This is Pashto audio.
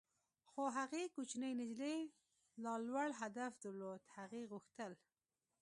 خو هغې کوچنۍ نجلۍ لا لوړ هدف درلود - هغې غوښتل.